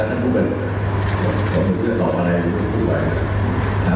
แกจะพูดอะไรก็แล้วผมก็ถามกันแล้วผมก็พูดเป็น